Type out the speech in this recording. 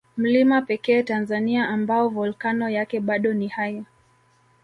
Mlima pekee Tanzania ambao Volkano yake bado ni hai